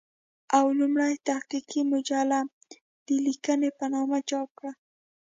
او لومړۍ تحقيقي مجله يې د "ليکنې" په نامه چاپ کړه